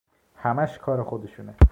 همش کار خودشونه